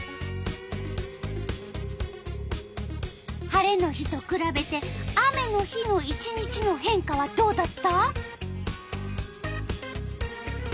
晴れの日とくらべて雨の日の１日の変化はどうだった？